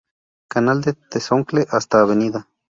Canal de Tezontle hasta Av.